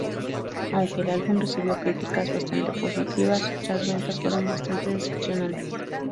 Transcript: Aunque el álbum recibió críticas bastante positivas, las ventas fueron bastante decepcionantes.